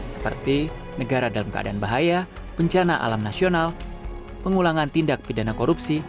seperti negara dalam keadaan bahaya bencana alam nasional pengulangan tindak pidana korupsi